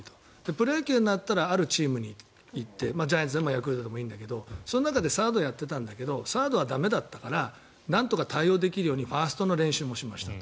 プロ野球になったらあるチームに行ってジャイアンツでもヤクルトでもいいんだけどその中でサードをやってたんだけどサードは駄目だったからなんとか対応できるようにファーストの練習もしましたと。